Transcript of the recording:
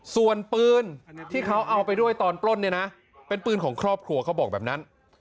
ส่วนปืนที่เขาเอาไปด้วยตอนปล้นเนี่ยนะเป็นปืนของครอบครัวเขาบอกแบบนั้น